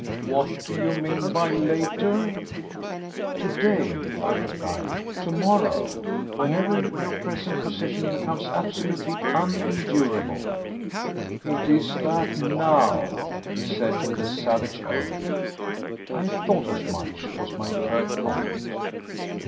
"What do you mean by 'later'?" "To day," I replied, "to morrow; whenever your present position becomes absolutely unendurable." "It is that now," he said with a savage oath. "I thought as much," was my curt comment.